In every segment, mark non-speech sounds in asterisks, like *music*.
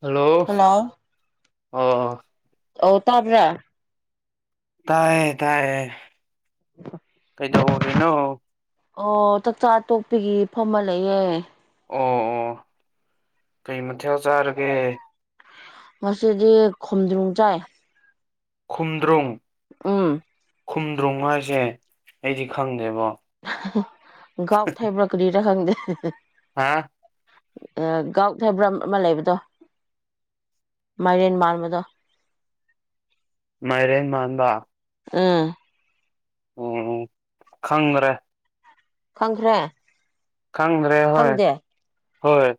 hello ꯑ ꯑ ꯇꯥꯕ꯭ꯔꯥ ꯇꯥꯏꯌꯦ ꯇꯥꯏꯌꯦ ꯀꯩꯗꯧꯔꯤꯅꯣ ꯑꯣ ꯆꯥꯛꯆꯥ ꯑ ꯇꯣꯛꯄꯤꯒꯤ ꯐꯝꯃ ꯂꯩꯌꯦ ꯑꯣ ꯑꯣ ꯀꯩ ꯃꯊꯦꯜ ꯆꯥꯔꯒꯦ ꯉꯗꯤ ꯈꯣꯗ꯭ꯔꯣꯡ ꯆꯥꯏ ꯈꯨꯝꯗ꯭ꯔꯣꯡ ꯎꯝ ꯈꯨꯝꯗ꯭ꯔꯣꯡ ꯍꯥꯏꯁꯦ ꯑꯩꯗꯤ ꯈꯪꯗꯦꯕ ꯒꯥꯎ ꯊꯩꯕ꯭ꯔꯥ ꯀꯔꯤꯔꯥ ꯈꯪꯗꯦ ꯍꯥꯥ ꯒꯥꯎꯊꯩꯕ꯭ꯔꯝ ꯑꯃ ꯂꯩꯕꯗꯣ ꯃꯥꯏꯦꯟ ꯃꯥꯥꯡ ꯃꯗ ꯃꯥꯏꯔꯦꯟ ꯃꯥꯟꯗꯥ ꯑꯥ ꯎꯝ ꯈꯪ꯭ꯔꯦ ꯈꯪꯈ꯭ꯔꯦ ꯈꯪꯗ꯭ꯔꯦ ꯍꯣꯏ ꯈꯪꯗꯦ ꯍꯣꯏ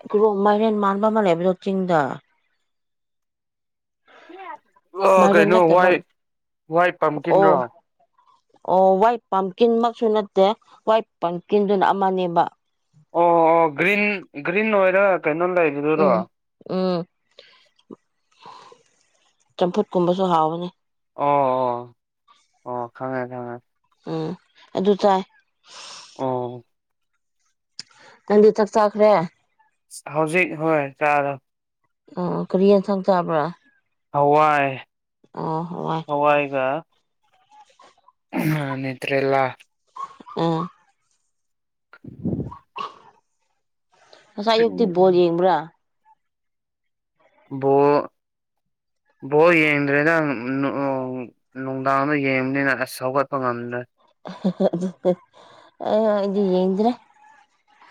ꯃꯥꯏꯔꯦꯟ ꯃꯥꯟꯕ ꯃꯜꯦꯕꯖ ꯆꯤꯡꯗ ꯑ ꯃꯥꯏꯔꯦꯟ ꯀꯩꯅꯣ ꯅꯠꯇꯕ ꯋꯥꯏ ꯋꯥꯏ ꯑꯣ ꯄꯥꯝꯈꯤꯗ꯭ꯔꯣ ꯑꯣ ꯋꯥꯏꯠ ꯄꯝꯀꯤꯟ ꯃꯁꯨ ꯅꯠꯇꯦ ꯋꯥꯏꯠ ꯄꯝꯀꯤꯟꯗꯨꯅ ꯑꯃꯅꯦꯕ ꯑꯣ ꯑꯣ ꯒ꯭ꯔꯤꯟ ꯒ꯭ꯔꯤꯟ ꯑꯣꯏꯔ ꯀꯩꯅꯣ ꯂꯩꯗꯨꯗꯨꯗꯣ ꯎꯝ ꯆꯝꯐꯨꯠ ꯀꯨꯝꯕꯁꯨ ꯍꯥꯎꯕꯅꯤ ꯑꯣ ꯑꯣ ꯑꯣ ꯈꯪꯉꯦ ꯈꯉꯦ ꯎꯝ ꯑꯗꯨ ꯆꯥꯏ ꯑꯣ ꯇꯪꯗꯤ ꯆꯥꯛ ꯆꯥꯈ꯭ꯔꯦ ꯍꯧꯖꯤꯛ ꯍꯣꯏ ꯆꯥ ꯑ ꯀꯔꯤꯌꯦꯟ ꯁꯪ ꯆꯥꯕ꯭ꯔꯥ ꯍꯋꯥꯏ ꯑꯣ ꯍꯋꯥꯏ ꯍꯋꯥꯏꯒ ꯑ ꯅꯇ꯭ꯔꯦꯂ ꯎ *inaudible* ꯑꯁꯥꯏꯛꯇ ꯣꯜꯂꯤ꯭ꯔꯥ ꯏꯕꯣ ꯕꯣ ꯌꯦꯡꯗ꯭ꯔꯦꯗ ꯎ ꯅꯨꯡꯗꯥꯡꯗ ꯌꯦꯡꯕꯅꯤꯅ ꯑꯁ ꯁꯧꯒꯠꯄ ꯉꯝꯗ꯭ꯔꯦ ꯑ ꯌꯦꯗ꯭ꯔꯦ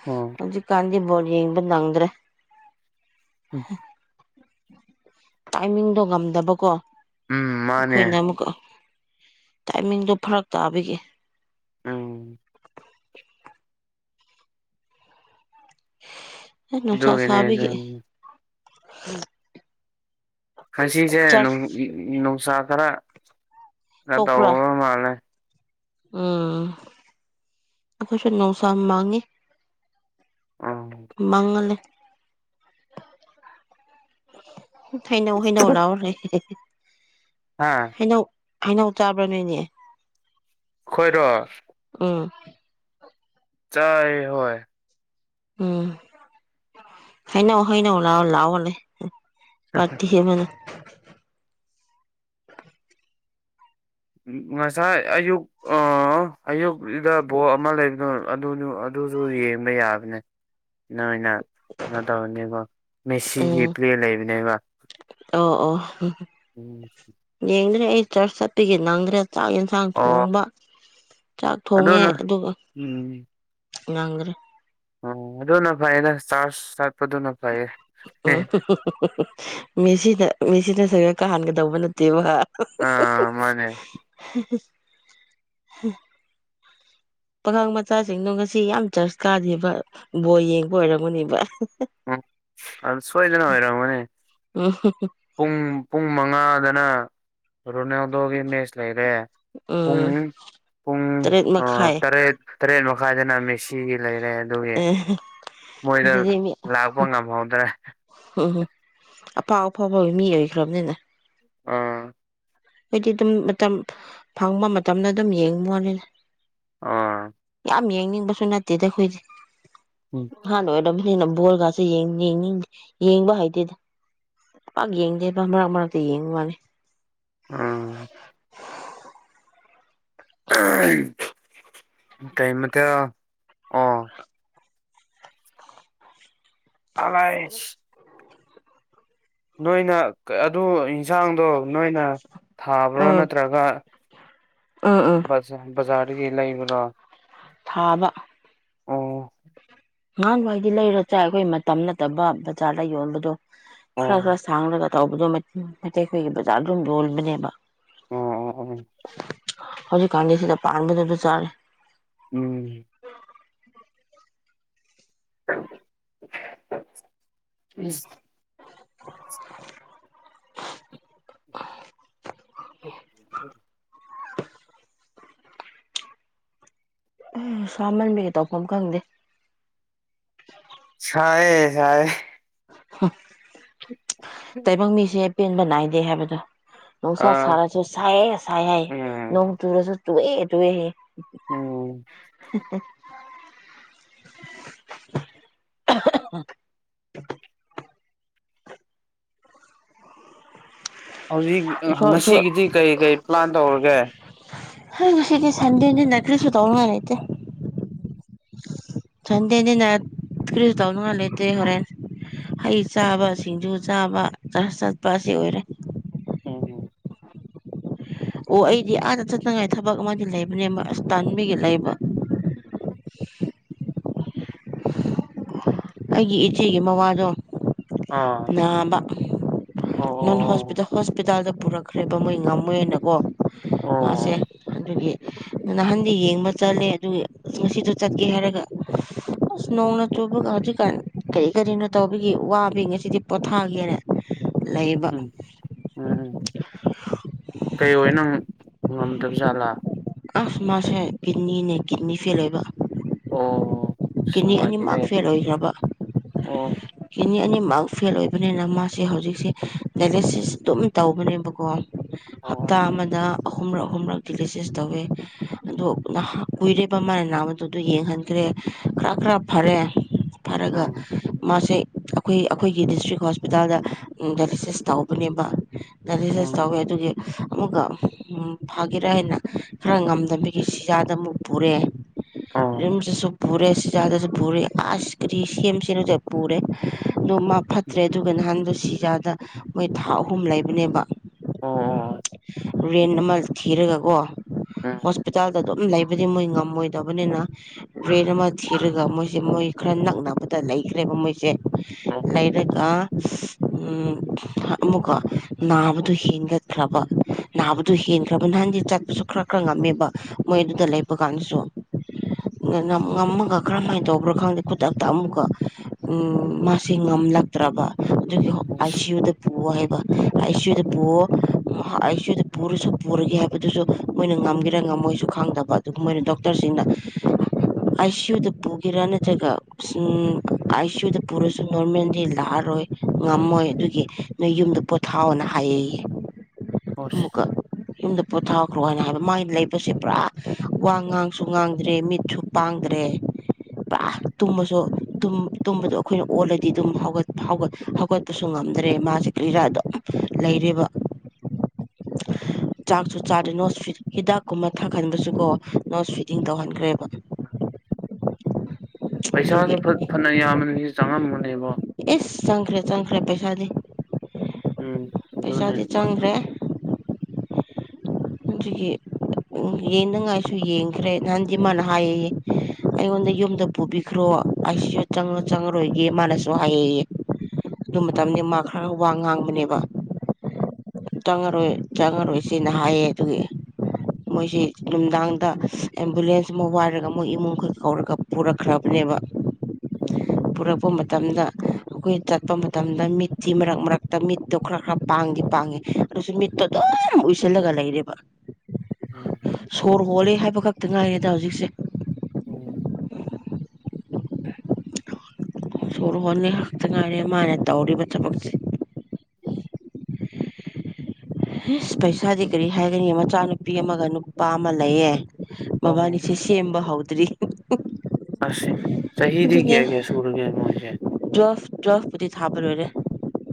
ꯑꯣ ꯍꯧꯖꯤꯛ ꯀꯥꯟꯗ ꯣꯣꯔ ꯌꯦꯕꯪꯗ꯭ꯔꯦ ꯎꯝ ꯇꯥꯏꯃꯤꯡꯗꯣ ꯉꯝꯗꯕꯀꯣ ꯎꯝ ꯃꯥꯅꯦ ꯑꯩꯈꯣꯏꯅ ꯑꯃꯨꯛꯀ ꯇꯥꯏꯃꯤꯡꯗꯣ ꯐꯔꯛ ꯇꯥꯕꯤꯒꯦ ꯎꯝ ꯅꯨꯡꯁꯥ ꯑꯗꯨꯒꯤꯅꯦ ꯁꯥꯥꯕꯤꯒꯤ ꯑꯗꯨꯒꯤꯅꯦ ꯈꯁꯤꯁꯦ ꯅꯨꯡꯁꯥ ꯈꯔ ꯊꯣꯛꯄ꯭ꯔꯥ ꯇꯧ ꯃꯥꯜꯂꯦ ꯎꯝ ꯑꯩꯈꯣꯏꯁꯨ ꯅꯨꯡꯁꯥ ꯃꯥꯡꯉꯤꯦ ꯎꯝ ꯃꯉꯂꯦ ꯊꯥꯏꯅꯧ ꯍꯩꯅꯧ ꯂꯑꯣꯔ ꯍꯥ ꯍꯩꯅꯧ ꯍꯩꯅꯧ ꯆꯥꯕ꯭ꯔꯥ ꯅꯣꯏꯅꯦ ꯈꯣꯏꯔꯣ ꯎ ꯆꯥꯏ ꯍꯣꯏ ꯎꯝ ꯍꯩꯅꯧ ꯍꯥꯏꯩꯅꯧ ꯂꯥꯛꯑꯣ ꯂꯥꯛꯑꯣꯅꯦ ꯄꯥꯔꯇꯤ ꯍꯦꯕꯅ ꯉꯁꯥꯏ ꯑꯌꯨꯛ ꯑ ꯑꯌꯨꯛꯗ ꯕꯣ ꯑꯃ ꯂꯩꯕꯅꯣ ꯑꯗꯨꯅ ꯨꯁꯨ ꯌꯦꯡꯕ ꯌꯥꯕꯅꯦ ꯑꯣꯏꯅ ꯀꯩꯅꯣ ꯇꯧꯔꯅꯦꯕꯣ ꯃꯦꯁꯤꯒꯤ ꯎꯝ ꯄ꯭ꯂꯦ ꯂꯩꯕꯅꯦꯕ ꯑꯣ ꯑꯣ ꯎꯝ ꯌꯦꯡꯗ꯭ꯔꯦ ꯑꯩ ꯆꯔꯆ ꯆꯠꯄꯤꯒꯤ ꯅꯪꯗ꯭ꯔꯦ ꯆꯥꯛ ꯌꯦꯟꯁꯥꯡ ꯑꯣ ꯊꯣꯡꯕ ꯆꯥꯛ ꯊꯣꯡꯉꯦ ꯑꯗꯨꯅ ꯑꯗꯨꯒ ꯎꯝ ꯉꯪꯈ꯭ꯔꯦ ꯑꯣ ꯑꯗꯨꯅ ꯐꯥꯏꯩꯅ ꯆ ꯆꯠꯄꯗꯨꯅ ꯐꯩꯌꯦ ꯎꯁꯤꯅ ꯃꯤꯁꯤꯅ ꯁ ꯀꯥ ꯍꯟꯒꯗꯧꯕ ꯅꯠꯇꯦꯕ *inaudible* ꯑꯥ ꯃꯥꯅꯦ ꯄꯥꯈꯪ ꯃꯆꯥꯁꯤꯡꯗꯣ ꯉꯁꯤ ꯌꯥꯝ ꯆꯔꯁ ꯀꯥꯗꯦꯕ ꯕꯣꯏ ꯌꯦꯡꯕ ꯑꯣꯏꯔꯝꯃꯅꯦꯕ ꯎꯝ ꯑꯗꯨ ꯁꯣꯏꯗꯅ ꯑꯣꯏꯔ ꯃꯅꯦ ꯎꯝ ꯄꯨꯡ ꯄꯨꯡ ꯃꯉꯥꯗꯅ ꯔꯨꯅꯥꯗꯒꯤꯅꯦꯦꯁ ꯂꯩ ꯄꯨꯡ ꯎꯝ ꯄꯨꯡ ꯇꯔꯦꯠ ꯃꯈꯥꯏ ꯇꯔꯦ ꯇꯔꯦꯠ ꯃꯈꯥꯏꯗꯅ ꯃꯦꯁꯤꯒꯤ ꯂꯩ ꯑꯗꯨꯒꯤ ꯑꯦ ꯃꯣꯏꯗ ꯉꯁꯤꯗꯤ ꯃꯤ ꯂꯥꯛꯄ ꯉꯝꯍꯧꯗ꯭ꯔꯦ ꯎꯝ ꯑꯐꯥꯎ ꯑꯐꯥꯎ ꯐꯥꯎꯕ ꯃꯤ ꯑꯣꯏꯈ꯭ꯔꯕꯅꯤꯅ ꯑꯥ ꯑꯩꯗꯤ ꯑꯗꯨꯝ ꯃꯇꯝ ꯐꯪꯕ ꯃꯇꯝꯗ ꯑꯗꯨꯝ ꯌꯦꯡꯉꯣꯅꯤ ꯑ ꯌꯥꯝ ꯌꯦꯡꯅꯤꯡꯕꯁꯨ ꯅꯠꯇꯦꯗ ꯑꯩꯈꯣꯏꯗꯤ ꯎꯝ ꯍꯥꯟ ꯑꯣꯏꯗꯝ ꯅ ꯕꯣꯣꯔꯒꯥꯁꯦꯡ ꯌꯦꯡꯕ ꯍꯩꯇꯦꯗ ꯄꯥꯛ ꯌꯦꯡꯗꯦꯕ ꯃꯔꯛ ꯃꯔꯛꯇ ꯌꯦꯡꯉꯨ ꯃꯥꯅꯤ ꯎꯝ ꯀꯩꯃꯇ ꯑꯣ ꯑꯋꯥ ꯅꯣꯏꯅ ꯑꯗꯨ ꯌꯦꯟꯁꯥꯡꯗꯣ ꯅꯣꯏꯅ ꯊꯥꯕ꯭ꯔꯣ ꯎꯝ ꯅꯠꯇ꯭ꯔꯒ ꯎꯝ ꯎꯝ ꯁ ꯖꯥꯔꯒꯤꯂ ꯃꯅ ꯊꯥꯕ ꯑ ꯅꯥꯡ ꯍꯥꯏꯗꯤ ꯂꯩꯔꯣ ꯆꯥꯏ ꯑꯩꯈꯣꯏ ꯃꯇꯝ ꯅꯠꯇꯕ ꯕꯖꯥꯔꯗ ꯌꯣꯟꯕꯗꯣ ꯈꯔ ꯑꯣ ꯈꯔ ꯁꯥꯡꯂꯒ ꯇꯧꯕꯗꯣ ꯃꯩꯇꯩ ꯑꯩꯈꯣꯏꯒꯤ ꯕꯖꯥꯔꯗ ꯑꯗꯨꯝ ꯌꯣꯕꯅꯦꯕ ꯑꯣ ꯑꯣ ꯑꯣ ꯍꯧꯖꯤꯛ ꯀꯥꯟꯗꯁꯤꯗ ꯄꯕꯗ ꯆꯥꯔꯦ ꯎꯝ ꯎꯝ ꯎꯝ *unintelligible* ꯎ ꯁꯥꯃꯟꯕꯤꯒꯩ ꯇꯧꯐꯝ ꯈꯪꯗꯦ ꯍꯑ ꯍꯥꯏꯌꯦ ꯍ ꯇꯥꯏꯕꯪ ꯃꯤꯁꯦ ꯑꯄꯦꯟꯕ ꯅꯥꯏꯗꯦ ꯍꯥꯏꯕꯗꯣ ꯑ ꯅꯨꯡꯁꯥ ꯁꯥꯔꯁꯨ ꯁꯥꯏꯦ ꯁꯥꯏ ꯍꯥꯏ ꯎꯝ ꯅꯣꯡ ꯇꯨꯔꯁꯨ ꯇꯨꯑꯦ ꯇꯨꯑꯦꯍꯦ ꯎꯝ ꯎꯝ *unintelligible* ꯍꯧꯖꯤꯛ ꯏꯁꯣꯔꯁꯨ ꯉꯁꯤꯒꯤꯗꯤ ꯀꯔꯤ ꯀꯔꯤ ꯄ꯭ꯂꯥꯟ ꯇꯧꯔꯒꯦ ꯍ ꯉꯁꯤꯗꯤ ꯁꯟꯗꯦꯁꯤ ꯅ ꯀꯔꯤꯁꯨ ꯇꯧꯉ ꯂꯩꯇꯦ ꯊꯟꯗꯦꯗ ꯅ ꯀ꯭ꯔꯤꯁ ꯇꯧꯅꯉꯂꯦ ꯍꯣꯔꯦꯟ ꯍꯩ ꯆꯥꯕ ꯁꯤꯡꯖꯨ ꯆꯥꯕ ꯆꯠꯄ ꯑꯁꯤ ꯑꯣꯏꯔꯦ ꯎꯝ ꯑꯣ ꯑꯩꯗꯤ ꯑꯥꯗ ꯆꯠꯅꯉꯥꯏ ꯊꯕꯛ ꯑꯃꯗꯤ ꯂꯩꯕꯅꯦꯕ ꯑꯁ ꯇꯥꯟꯕꯤꯒ ꯂꯩꯕ *unintelligible* ꯑꯩꯒꯤ ꯏꯆꯦꯒꯤ ꯃꯋꯥꯗꯣ ꯑꯥ ꯅꯥꯕ ꯑꯣ ꯑꯣ ꯅꯣꯟ ꯑꯣ ꯍꯣꯁꯄꯤꯇꯥ ꯍꯣꯁꯄꯤꯇꯥꯜꯗ ꯄꯨꯔꯛꯈ꯭ꯔꯦꯕ ꯃꯣꯏ ꯉꯝꯃꯣꯏꯅꯀꯣ ꯑꯣ ꯃꯥꯁꯦ ꯑꯣ ꯑꯗꯨꯒꯤ ꯑꯗꯨ ꯅꯍꯥꯟꯗꯤ ꯌꯦꯡꯕ ꯆꯠꯂꯦ ꯑꯗꯨ ꯑ ꯉꯁꯤꯗꯣ ꯆꯠꯀꯦ ꯍꯥꯏꯔꯒ ꯁꯅꯥꯅ ꯆꯣꯕꯖꯤ ꯀꯔꯤ ꯀꯔꯤꯅꯣ ꯇꯧꯕꯒꯤ ꯋꯥꯕ ꯉꯁꯤꯗꯤ ꯄꯣꯊꯥꯒꯦꯅ ꯂꯩꯕ ꯎꯝ ꯎꯝ ꯎꯝ ꯀꯩ ꯅꯪ ꯉꯝꯗꯕ ꯖꯥꯠꯂꯥ ꯑꯁ ꯃꯥꯁꯦ ꯀ ꯀꯤꯡꯗꯝꯅꯤꯅꯦ ꯀ ꯀꯤꯡꯗꯝꯅꯤ ꯐꯦꯦꯜꯦꯕ ꯑꯣ ꯑꯁ ꯀꯤꯅꯤ ꯑꯅꯤꯃꯛ ꯅꯨꯡꯉꯥꯏꯇꯦꯍꯦ ꯐꯦꯜꯂ ꯑꯣ ꯑꯣꯏꯈ꯭ꯔꯕꯅꯤ ꯑꯅꯤꯃꯛ ꯐꯦꯜ ꯑꯣꯏꯕꯅꯤꯅ ꯃꯥꯁꯦ ꯍꯧꯖꯤꯛꯁꯦ ꯗꯥꯏꯂꯦꯁꯤꯁ ꯑꯗꯨꯝ ꯇꯧꯕꯅꯦꯕꯀꯣ ꯍꯞꯇꯥ ꯑꯣ ꯑꯃꯗ ꯑꯍꯨꯝꯔꯛ ꯑꯍꯨꯝꯔꯛ ꯂꯦꯁꯤꯁ ꯇꯧꯋꯤ ꯑꯗꯣ ꯀꯨꯏꯔꯤꯕ ꯃꯅ ꯅꯥꯃꯗꯨꯗꯣ ꯌꯦꯡꯍꯟꯈ꯭ꯔꯦ ꯈꯔ ꯈꯔ ꯐꯔꯦ ꯐꯔꯒ ꯎꯝ ꯃꯥꯁꯦ ꯑꯩꯈꯣꯏ ꯑꯩꯈꯣꯏꯒꯤ ꯗꯤꯁꯇ꯭ꯔꯤꯛ ꯍꯣꯁꯄꯤꯇꯥꯜꯗ ꯗꯥꯏꯂꯁꯤꯁ ꯇꯧꯕꯅꯦꯕ ꯗꯤꯖꯁ ꯎꯝ ꯇꯧꯋꯦ ꯑꯗꯨꯒꯤ ꯑꯃꯨꯛꯀ ꯐꯥꯒꯦꯔꯥ ꯍꯥꯏꯅ ꯈꯔ ꯉꯝꯗꯕꯒꯤ ꯁꯤꯖꯥꯗ ꯑꯃꯨꯛ ꯄꯨꯔꯛꯑꯦ ꯑꯣ ꯌꯨꯝꯁꯤꯗꯁꯨ ꯄꯨꯔꯦ ꯁꯤꯤꯖꯥꯗꯁꯨ ꯄꯨꯔꯦ ꯑꯥꯏꯁ ꯀ꯭ꯔꯤꯝ ꯁꯦꯝ ꯁꯦꯝꯅꯁ ꯄꯨꯔꯦ ꯑꯗꯣ ꯃꯥ ꯎꯝ ꯐꯠꯇ꯭ꯔꯦ ꯑꯗꯨꯒ ꯅꯍꯥꯟꯗꯣ ꯁꯤꯖꯥꯗ ꯃꯣꯏ ꯊꯥ ꯑꯍꯨꯝ ꯂꯩꯕꯅꯦꯕ ꯑꯣ ꯔꯦꯟ ꯑꯃ ꯊꯤꯔꯒꯀꯣ ꯑꯣ ꯍꯣꯁꯄꯤꯇꯥꯜ ꯑꯗꯨꯝ ꯂꯩꯕꯗꯤ ꯃꯣꯏ ꯉꯝꯃꯣꯏꯗꯕꯅꯤꯅ ꯔ꯭ꯔꯦꯟ ꯑꯃ ꯊꯤꯔꯒ ꯃꯣꯏꯁꯦ ꯃꯣꯏ ꯈꯔ ꯅꯛꯅꯕꯗ ꯂꯩꯈ꯭ꯔꯦꯕ ꯃꯣꯏꯁꯦ ꯂꯩꯔꯒ ꯑꯃꯨꯛꯀꯣ ꯅꯥꯕꯗꯨ ꯍꯦꯟꯒꯠ ꯈ꯭ꯔꯕ ꯅꯥꯕꯗꯨꯣ ꯍꯦꯟꯈ꯭ꯔꯕ ꯅꯍꯥꯟꯗꯤ ꯆꯠꯄꯁꯨ ꯈꯔ ꯈꯔ ꯉꯝꯃꯦꯕ ꯃꯣꯏ ꯑꯗꯨꯗ ꯂꯩꯕ ꯀꯥꯟꯗꯁꯨ ꯉꯝꯃꯒ ꯀꯔꯝꯍꯥꯏꯅ ꯇꯧꯕ꯭ꯔꯣꯥ ꯈꯪꯗꯦ ꯈꯨꯗꯛꯇ ꯑꯃꯨꯛꯀ ꯃꯥꯁꯤ ꯉꯝꯃ ꯂꯛꯇ꯭ꯔꯕ ꯑꯗꯨꯒꯤ ꯎꯝ ꯑꯥꯏ ꯑꯁ ꯁꯤ ꯌꯨꯗ ꯄꯨꯣ ꯍꯥꯏꯕ ꯑꯥꯏ ꯁꯤ ꯌꯨꯗ ꯄꯨꯣ ꯑꯩꯁꯨꯗ ꯄꯨꯔꯁꯨ ꯄꯨꯔꯒꯦ ꯍꯥꯏꯕꯗꯨꯁꯨ ꯃꯣꯏꯅ ꯉꯝꯒꯔ ꯉꯝꯃꯣꯏꯁꯨ ꯈꯪꯗꯕ ꯑꯗꯨꯒ ꯃꯣꯏꯅ ꯗꯣꯛꯇꯔꯁꯤꯡꯅ *unintelligible* ꯑꯥꯏ ꯁꯤ ꯌꯨꯗ ꯄꯨꯒꯦꯔꯥ ꯅꯠꯇ꯭ꯔꯒ ꯑꯥꯏ ꯁꯤ ꯌꯨꯗ ꯄꯨꯔꯁꯨ ꯅꯣꯔꯃꯦꯜꯗꯤ ꯂꯥꯛꯑꯔꯣꯏ ꯍꯣꯏ ꯉꯝꯃꯣꯏ ꯑꯗꯨꯒꯤ ꯅꯣꯏ ꯌꯨꯝꯗ ꯄꯣꯊꯥꯎꯅ ꯍꯥꯏꯌꯦꯌꯦ ꯑꯁ ꯑꯃꯨꯛꯀ ꯄꯣꯊꯥꯈ꯭ꯔꯣ ꯍꯥꯏꯅ ꯍꯥꯏꯕ ꯃꯥꯏ ꯂꯩꯕꯁꯦ ꯄꯨꯔꯥ ꯋꯥ ꯉꯥꯡꯁꯨ ꯉꯥꯡꯗ꯭ꯔꯦ ꯃꯤꯠꯁꯨ ꯄꯥꯡꯗ꯭ꯔꯦ ꯄꯨꯔꯥ ꯇꯨꯝꯕꯁꯨ ꯇꯨꯝꯕꯗꯣ ꯑꯩꯈꯣꯏꯅ ꯑꯣꯜꯂꯗꯤ ꯑꯗꯨꯝ ꯍꯧꯒꯠꯄꯁꯨ ꯉꯝ ꯉꯝꯗ꯭ꯔꯦ ꯃꯥꯁꯤ ꯀ꯭ꯔꯤꯔꯥꯗꯣ ꯂꯩꯔꯤꯕ *unintelligible* ꯆꯥꯛꯁꯨ ꯆꯥꯗꯦ ꯅꯣꯠꯁ ꯐꯤ ꯍꯤꯗꯥꯛꯀꯨꯝꯕ ꯊꯥꯍꯟꯕꯁꯨꯀꯣ ꯅꯣꯠꯁ ꯐꯤꯗꯤꯡ ꯇꯧꯍꯟꯈ꯭ꯔꯦꯕ ꯄꯩꯁꯥꯗꯨ ꯑꯗꯨꯒꯤ ꯐꯅ ꯌꯥꯝꯕꯅꯤꯁꯨ ꯆꯪꯉꯝꯃꯨꯅꯦꯕ ꯑꯦ ꯆꯪꯈ꯭ꯔꯦ ꯆꯪꯈ꯭ꯔꯦ ꯄꯩꯁꯥꯗꯤ ꯎꯝ ꯑꯗꯨꯅꯦ ꯄꯩꯁꯥꯗꯤ ꯆꯪꯈ꯭ꯔꯦ ꯖꯤꯗꯒꯤꯒꯤ ꯎ ꯌꯦꯡꯅꯤꯡꯉꯥꯏꯁꯨ ꯌꯦꯡꯈ꯭ꯔꯦ ꯅꯍꯥꯟꯗꯤꯃꯥꯟꯅ ꯍꯥꯏꯌꯦ ꯑꯩꯉꯣꯟꯗ ꯌꯨꯝꯗ ꯄꯨꯕꯤꯈ꯭ꯔꯣ ꯑꯩꯁꯤꯁꯨ ꯆꯪꯉ ꯆꯪꯉꯔꯣꯏꯒꯦ ꯃꯥꯅꯁꯨ ꯍꯥꯏꯌꯦꯌꯦ ꯑꯗꯨ ꯃꯇꯝꯅꯤꯗꯤ ꯃꯥ ꯈꯔ ꯋꯥ ꯉꯥꯡꯕꯅꯦꯕ ꯆꯪꯉꯔꯣꯏ ꯆꯪꯉꯔꯣꯏ ꯁꯤꯅ ꯍꯥꯏꯌꯦ ꯑꯗꯨꯒꯤ ꯃꯣꯏꯁꯤꯦ ꯅꯨꯡꯗꯥꯡꯗ ꯑꯦꯝꯕꯨꯂꯦꯟꯁ ꯑꯃ ꯋꯥꯏꯔꯒ ꯃꯣꯏ ꯏꯃꯨꯡꯈꯛ ꯀꯧꯔꯒ ꯄꯨꯔꯛꯈ꯭ꯔꯕꯅꯦ ꯎꯝ ꯄꯨꯔꯛꯄ ꯃꯇꯝꯗ ꯑꯩꯈꯣꯏꯅ ꯆꯠꯄ ꯃꯇꯝꯗ ꯃꯤꯠꯇꯁꯤꯤ ꯃꯔꯛ ꯃꯔꯛꯇ ꯃꯤꯠꯇꯣ ꯈꯔ ꯈꯔ ꯄꯥꯡꯗꯤ ꯄꯥꯡꯉꯤ ꯑꯗꯨꯁꯨ ꯃꯤꯠꯇꯣ ꯑꯗꯨꯝ ꯑꯗꯨꯝ ꯎꯏꯁꯜꯂꯒ ꯂꯩꯔꯤꯅꯦ ꯎꯝ ꯁꯣꯔ ꯍꯣꯜꯂꯦ ꯍꯥꯏꯕ ꯈꯛꯇ ꯉꯥꯏꯔꯦꯗ ꯍꯧꯖꯤꯛꯁꯦ ꯎꯝ ꯁꯣꯔ ꯍꯣꯟꯅꯤ ꯉ ꯈꯥꯛꯇ ꯉꯥꯏꯔꯦ ꯃꯥꯅ ꯇꯧꯔꯤꯕ ꯊꯕꯛꯁꯦ ꯏꯁ ꯄꯩꯁꯥꯗꯤ ꯀꯔꯤ ꯍꯥꯏꯒꯅꯤ ꯃꯆꯥꯅꯨꯄꯤ ꯑꯃꯒ ꯅꯨꯄꯥ ꯑꯃ ꯂꯩꯌꯦ ꯑꯣ ꯃꯕꯥꯅꯤꯁꯦ ꯁꯦꯝꯕ ꯍꯧꯗ꯭ꯔꯤ ꯑꯦ ꯆꯍꯤꯍꯤꯗꯤ ꯀꯌꯥ ꯀꯌꯥ ꯁꯨꯔꯒꯦ ꯃꯣꯏꯁꯦ ꯗ꯭ꯔꯐ ꯗ꯭ꯔꯐꯄꯨꯗꯤ ꯊꯥꯕ ꯂꯣꯏꯔꯦ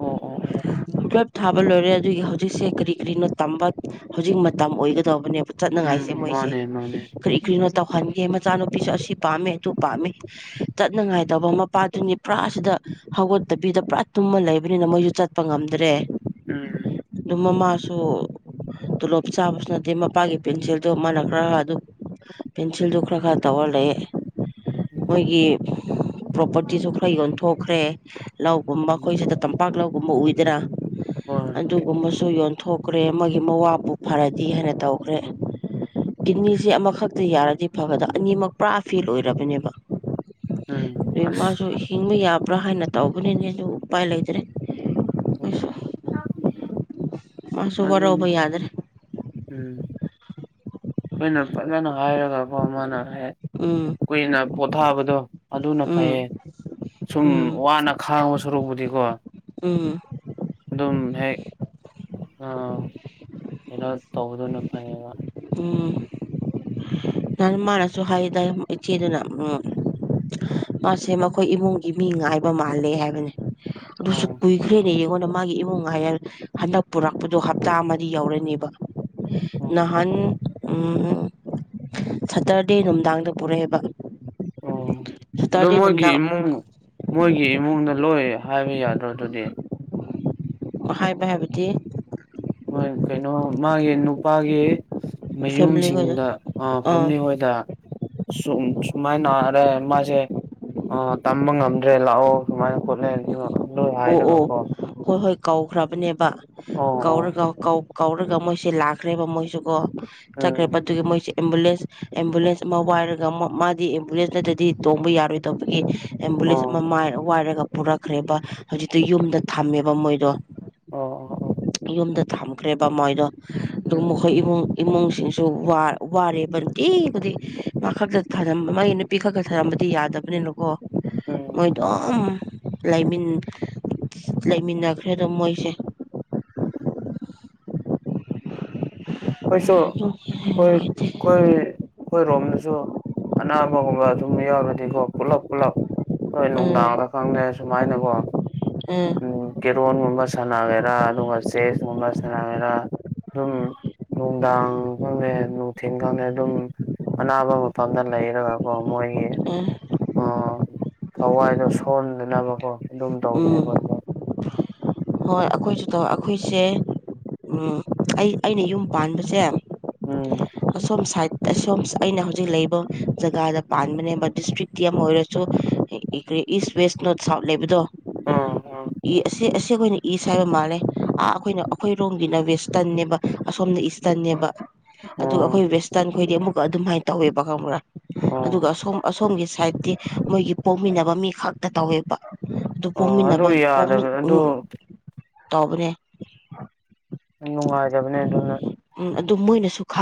ꯑꯣ ꯑꯣ ꯑꯣ ꯇꯨꯋꯦꯜꯐ ꯊꯥꯕ ꯂꯣꯏꯔꯦ ꯑꯗꯨꯒꯤ ꯍꯧꯖꯤꯛꯁꯦ ꯀꯔꯤ ꯀꯔꯤꯅꯣ ꯇꯝꯕ ꯍꯧꯖꯤꯛ ꯃꯇꯝ ꯑꯣꯏꯒꯗ ꯇꯧꯕꯅꯦꯕ ꯆꯠꯅꯉꯥꯏꯁꯦ ꯎꯝ ꯃꯣꯏꯁꯦ ꯃꯥꯅꯦ ꯃꯥꯅꯦ ꯀꯔꯤ ꯀꯔꯤꯅꯣ ꯇꯧꯍꯟꯒꯦ ꯃꯆꯥꯅꯨꯄꯤꯁꯨ ꯑꯁꯤ ꯄꯥꯝꯃꯦ ꯑꯗꯨ ꯄꯥꯝꯃꯦ ꯆꯠꯅꯉꯥꯏꯗꯕ ꯃꯄꯥꯗꯨꯅꯤ ꯄꯨꯔꯥꯁꯤꯗ ꯍꯧꯒꯠꯇꯕꯤꯗ ꯄꯨꯔꯥ ꯇꯨꯝꯃ ꯂꯩꯕꯅꯤꯅ ꯃꯣꯏꯁꯨ ꯆꯠꯄ ꯉꯝꯗ꯭ꯔꯦ ꯎꯝ ꯑꯗꯨ ꯃꯃꯥꯁꯨ ꯇꯣꯂꯣꯞ ꯆꯥꯕꯁꯨ ꯅꯠꯇꯦ ꯃꯄꯥꯒꯤ ꯄꯦꯟꯁꯤꯜꯗꯣ ꯃꯥꯟꯅꯈ꯭ꯔꯒ ꯑꯗꯨ ꯄꯦꯟꯁꯤꯜꯗꯨ ꯈꯔ ꯈꯔ ꯇꯧꯔ ꯂꯩ ꯎꯝ ꯃꯣꯏꯒꯤ ꯄ꯭ꯔꯣꯄꯔꯇꯤꯁꯨ ꯈꯔ ꯌꯣꯟꯊꯣꯛꯈ꯭ꯔꯦ ꯂꯧꯒꯨꯝꯕ ꯎꯝ ꯑꯩꯈꯣꯏ ꯁꯤꯗ ꯇꯝꯄꯥꯛ ꯂꯧꯒꯨꯝꯕ ꯎꯏꯗꯅ ꯍꯣꯏ ꯑꯗꯨꯒ ꯑꯃꯁꯨ ꯌꯣꯟꯊꯣꯛꯈ꯭ꯔꯦ ꯃꯣꯏꯒꯤ ꯃꯋꯥꯕꯨ ꯐꯔꯗꯤ ꯍꯥꯏꯅ ꯇꯧꯈ꯭ꯔꯦ ꯀꯤꯠꯅꯤꯁꯦ ꯑꯃꯈꯛꯇ ꯌꯥꯔꯗꯤ ꯐꯒꯗ ꯑꯅꯤꯃꯛ ꯄꯨꯔꯥ ꯐꯦꯜ ꯑꯣꯏꯔꯕꯅꯦꯕ ꯎꯝ ꯑꯁ ꯃꯥꯁꯨ ꯍꯤꯡꯕ ꯌꯥꯕ꯭ꯔꯥ ꯍꯥꯏꯅ ꯇꯧꯕꯅꯤꯅꯦ ꯑꯗꯨꯕꯨ ꯎꯄꯥꯏ ꯂꯩꯇ꯭ꯔꯦ ꯎꯝ ꯑꯩꯁꯨ ꯃꯥꯁꯨ ꯑ ꯋꯥꯔꯧꯕ ꯎꯝ ꯌꯥꯗ꯭ꯔꯦ ꯑꯩꯈꯣꯏꯅ ꯐꯖꯅ ꯍꯥꯏꯔꯒꯀꯣ ꯃꯥꯅ ꯎꯝ ꯀꯨꯏꯅ ꯄꯣꯊꯥꯕꯗꯣ ꯑꯗꯨꯅ ꯎꯝ ꯐꯩꯌꯦ ꯁꯨꯝ ꯎꯝ ꯋꯥꯅ ꯈꯥꯡꯉ ꯁꯔꯨꯕꯨꯗꯤ ꯎꯝ ꯑꯗꯨꯝ ꯍꯦꯛ ꯑ ꯀꯩꯅꯣ ꯇꯧꯗꯅ ꯐꯩꯕ ꯎꯝ ꯃꯅꯁꯨ ꯍꯥꯏꯗ ꯏꯆꯦꯗ ꯂꯥꯛ ꯎꯅ ꯃꯥꯁꯦ ꯃꯈꯣꯏ ꯏꯃꯨꯡꯒꯤ ꯃꯤ ꯉꯥꯏꯕ ꯃꯥꯜꯂꯦ ꯍꯥꯏꯕꯅꯦ ꯑꯣ ꯀꯨꯏꯈꯔꯦꯅꯤꯈꯣꯟ ꯃꯥꯒꯤ ꯏꯃꯨꯡ ꯍꯥꯏꯌꯔ ꯍꯟꯗꯛ ꯄꯨꯔꯛꯄꯗꯣ ꯍꯞꯇꯥ ꯑꯃꯗꯤ ꯌꯧꯔꯅꯦꯕ ꯑꯣ ꯅꯍꯥꯟ ꯁꯇꯔꯗꯦ ꯅꯨꯡꯗꯥꯡꯗ ꯄꯨꯔꯛꯑꯦꯕ ꯑꯣ ꯑꯣ ꯁꯇꯔꯗꯦ ꯃꯣꯏꯒꯤ ꯅꯨꯡꯗꯥꯡ ꯏꯃꯨꯡ ꯃꯣꯏꯒꯤ ꯏꯃꯨꯡꯗ ꯂꯣꯏ ꯍꯥꯏꯕ ꯌꯥꯗ꯭ꯔ ꯑꯗꯨꯗꯤ ꯍꯥꯏꯕ ꯍꯥꯏꯕꯗꯤ ꯀꯩꯅꯣ ꯃꯥꯒꯤ ꯅꯨꯄꯥꯒꯤ ꯐꯦꯃꯤꯂꯤ ꯈꯣꯏꯗꯣ ꯃꯌꯨꯝꯁꯤꯡꯗ ꯑꯥ ꯐꯦꯃꯤꯂꯤ ꯍꯣꯏꯗ ꯁ ꯁꯨꯃꯥꯏꯅꯔꯦ ꯃꯥꯁꯦ ꯇꯝꯕ ꯉꯝꯗ꯭ꯔꯦ ꯂꯥꯛꯑꯣ ꯁꯨꯃꯥꯏꯅ ꯈꯣꯠꯂꯦꯣ ꯑꯣ ꯑꯣ ꯍ ꯍꯣꯏ ꯀꯧꯈ꯭ꯔꯕꯅꯦꯕ ꯑꯣ ꯑꯣ ꯀꯧꯔꯒ ꯀꯧꯔꯒ ꯃꯣꯏꯁꯦ ꯂꯥꯛꯈ꯭ꯔꯦꯕ ꯃꯣꯏꯁꯨ ꯀꯣ ꯆꯠꯈ꯭ꯔꯦ ꯎꯝ ꯑꯗꯨꯒꯤ ꯃꯣꯏꯁꯦ ꯑꯦꯝꯕꯨꯂꯦꯟꯁ ꯑꯦꯝꯕꯨꯂꯦꯟꯁ ꯑꯃ ꯋꯥꯏꯔꯒ ꯃꯥꯗꯤ ꯑꯦꯝꯕꯨꯂꯦꯟꯁꯅꯠꯇꯗꯤ ꯇꯣꯡꯕ ꯌꯥꯔꯣꯏꯗꯧꯕꯒꯤ ꯑꯦꯝꯕꯨꯂꯦꯟꯁ ꯑꯣ ꯑꯃ ꯋꯥꯏꯔꯒ ꯄꯨꯔꯛꯈ꯭ꯔꯦꯕ ꯍꯧꯖꯤꯛꯇꯤ ꯌꯨꯝꯗ ꯊꯝꯃꯦꯕ ꯃꯣꯏꯗꯣ ꯑꯣ ꯑꯣ ꯑꯣ ꯌꯨꯝꯗ ꯊꯝꯈ꯭ꯔꯦꯕ ꯃꯣꯏꯗꯣ ꯑꯗꯨ ꯎꯝ ꯃꯈꯣꯏ ꯏꯃꯨꯡ ꯏꯃꯨꯡꯁꯤꯡꯁꯨ ꯋꯥꯔꯦꯕ ꯅꯨꯅꯨꯡꯇꯕꯨꯗꯤ ꯃꯥ ꯈꯛꯇ ꯊꯔꯝꯕ ꯃꯥꯒꯤ ꯅꯨꯄꯤ ꯈꯛꯇ ꯊꯔꯝꯕꯗ ꯇꯤ ꯌꯥꯗꯕꯅꯤꯅꯀꯣ ꯃꯣꯏ ꯎꯝ ꯑꯗꯨꯣꯝ ꯂꯩꯥꯏꯃꯤꯟ ꯂꯩꯃꯤꯟꯅꯈ꯭ꯔꯦꯗ ꯃꯣꯏꯁꯦ ꯑꯩꯣꯏꯁꯨ ꯎꯝ ꯍꯣꯏ ꯍꯣꯏ ꯍꯣꯏ ꯔꯣꯝꯅꯁꯨ ꯁꯨ ꯑꯅꯥꯕꯒꯨꯝꯕ ꯁꯨꯝ ꯌꯥꯎꯔꯗꯤꯀꯣ ꯄꯨꯂꯞ ꯄꯨꯂꯞ ꯅꯣꯏ ꯎꯝ ꯅꯨꯡꯗꯥꯡꯗ ꯈꯪꯗ꯭ꯔꯦ ꯁꯨꯃꯥꯏꯅꯀꯣ ꯎꯝ ꯀꯦꯔꯣꯟꯒꯨꯝꯕ ꯁꯥꯟꯅꯒꯦꯔꯥ ꯑꯗꯨꯒ ꯆꯦꯁꯀꯨꯝꯕ ꯁꯥꯟꯅꯒꯦꯔꯥ ꯑꯗꯨꯝ ꯅꯨꯡꯗꯥꯡ ꯈꯪꯗꯦ ꯅꯨꯡꯊꯤꯟ ꯈꯪꯗ ꯑꯗꯨꯝ ꯑꯅꯥꯕ ꯃꯐꯝꯗ ꯂꯩꯔꯒꯀꯣ ꯃꯣꯏꯒꯤ ꯊꯋꯥꯏꯗꯣ ꯁꯣꯟꯗꯅꯕꯀꯣ ꯑꯗꯨꯝ ꯇꯧꯕꯅꯦ ꯎꯝ ꯃꯣꯏꯗ ꯍꯣꯏ ꯑꯩꯈꯣꯏꯁꯨ ꯇꯧ ꯑꯩꯈꯣꯏꯁꯦ ꯑꯩ ꯑꯩꯅ ꯌꯨꯝ ꯄꯥꯟꯕꯁꯦ ꯎꯝ ꯑ ꯁꯣꯝ ꯑꯩꯅ ꯍꯧꯖꯤꯛ ꯂꯩꯕ ꯖꯒꯥꯗ ꯄꯥꯟꯕꯅꯦꯕ ꯗꯤꯁꯇ꯭ꯔꯤꯛꯇꯤ ꯑꯃ ꯑꯣꯏꯔꯁꯨ ꯀꯦ ꯏꯁ ꯋꯦꯁ ꯅꯣꯔꯠ ꯁꯥꯎꯠ ꯂꯩꯕꯗꯣ ꯑ ꯑ ꯁꯤꯦ ꯑꯩꯈꯣꯏꯅ ꯏꯁ ꯍꯥꯏꯕ ꯃꯥꯜꯂꯦ ꯑꯥ ꯑꯩꯈꯣꯏꯅ ꯑꯩꯈꯣꯏꯔꯣꯝꯒꯤꯅ ꯋꯦꯁꯇꯔꯟꯅꯦꯕ ꯑꯁꯣꯝꯅ ꯏꯁꯇꯔꯟꯅꯦꯕ ꯎꯝ ꯑꯗꯨꯒ ꯑꯩꯈꯣꯏ ꯎꯝ ꯋꯦꯁꯇꯔꯟ ꯈꯣꯏꯗꯤ ꯑꯃꯨꯛꯀ ꯑꯗꯨꯃꯥꯏꯅ ꯇꯧꯋꯦꯕ ꯈꯪꯕ꯭ꯔꯥ ꯑꯣ ꯑꯗꯨꯒ ꯑꯁꯣꯝ ꯑꯁꯣꯝꯒꯤ ꯁꯥꯏꯠꯇꯤ ꯃꯣꯏꯒꯤ ꯄꯣꯛꯃꯤꯟꯅꯕ ꯃꯤ ꯈꯛꯇ ꯇꯧꯋꯦꯕ ꯑꯗꯨ ꯑꯣ ꯑꯗꯨ ꯄꯣꯛꯃꯤꯟꯅꯕꯃꯤ ꯌꯥꯗꯕ ꯑꯗꯨ ꯎꯝ ꯇꯕꯅꯦ ꯅꯨꯡꯉꯥꯏꯖꯕꯅꯤꯅ ꯑꯗꯨꯝ ꯃꯣꯏꯅꯁꯨ ꯈꯪꯉꯦ